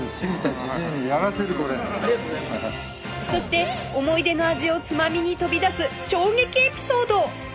そして思い出の味をつまみに飛び出す衝撃エピソード！